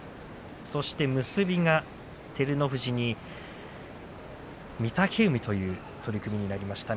そして結びが照ノ富士に御嶽海という取組になりました。